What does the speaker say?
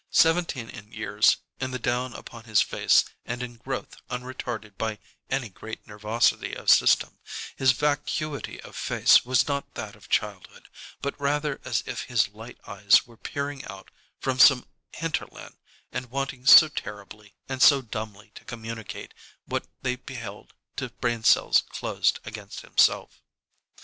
Seventeen in years, in the down upon his face and in growth unretarded by any great nervosity of system, his vacuity of face was not that of childhood, but rather as if his light eyes were peering out from some hinterland and wanting so terribly and so dumbly to communicate what they beheld to brain cells closed against himself.